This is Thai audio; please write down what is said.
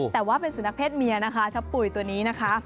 แต่ว่าเป็นสุนัขเพศเมียนะคะชะปุ๋ยตัวนี้นะคะ